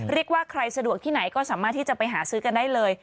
เรียกว่าใครสะดวกที่ไหนก็สามารถที่จะไปหาซื้อกันได้เลย